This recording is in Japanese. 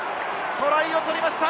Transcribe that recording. トライを取りました！